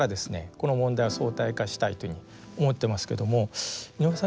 この問題を相対化したいというふうに思ってますけども井上さん